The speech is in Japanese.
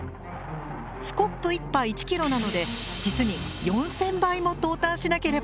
スコップ１杯１キロなので実に４，０００杯も投炭しなければなりません。